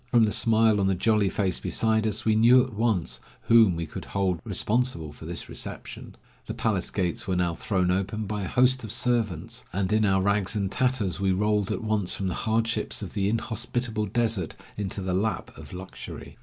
From the smile on the jolly face beside us, we knew at once whom we could hold responsible for this reception. The palace gates were now thrown open by a host of servants, and in our rags and tatters we rolled at once from the hardships of the inhospitable desert into the lap of luxury.